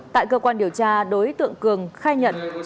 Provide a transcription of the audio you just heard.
tại cơ quan điều tra đối tượng cường khai nhận